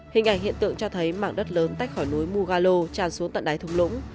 hình ảnh hiện tượng cho thấy mạng đất lớn tách khỏi núi mugalo tràn xuống tận đáy thung lũng